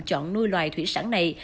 chọn nuôi loài thủy sản này